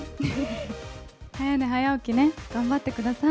早寝早起きね、頑張ってください。